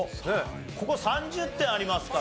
ここ３０点ありますからね。